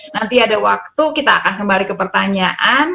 nanti ada waktu kita akan kembali ke pertanyaan